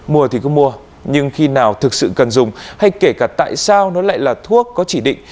mua thì cứ mua nhưng khi nào thực sự cần dùng hay kể cả tại sao nó lại là thuốc có chỉ định